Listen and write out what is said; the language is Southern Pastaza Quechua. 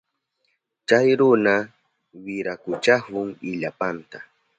Chay runa wiranchahun illapanta.